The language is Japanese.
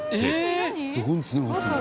どこに繋がってるの？